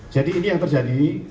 jadi ini yang terjadi